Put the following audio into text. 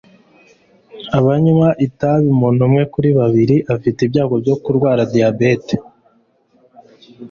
Abanywa itabi umuntu umwe kuri babiri afite ibyago byo kurwara diyabete